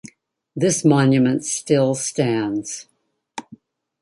This monument still stands.